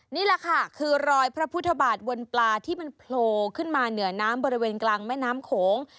นี่แหละค่ะคือรอยพระพุทธบาทบนปลาที่มันโผล่ขึ้นมาเหนือน้ำบริเวณกลางแม่น้ำโขง